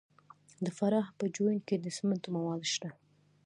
د فراه په جوین کې د سمنټو مواد شته.